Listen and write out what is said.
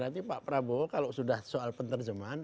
berarti pak prabowo kalau sudah soal penerjemahan